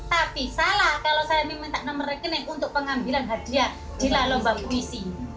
tapi salah kalau saya meminta nomor rekening untuk pengambilan hadiah di lomba puisi